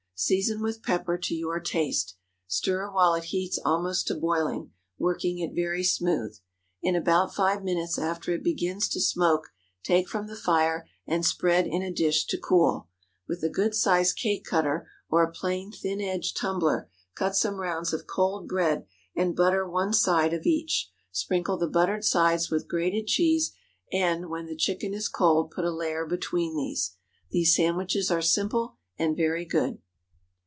Season with pepper to your taste. Stir while it heats almost to boiling, working it very smooth. In about five minutes after it begins to smoke, take from the fire and spread in a dish to cool. With a good sized cake cutter, or a plain thin edged tumbler, cut some rounds of cold bread, and butter one side of each. Sprinkle the buttered sides with grated cheese, and, when the chicken is cold, put a layer between these. These sandwiches are simple and very good.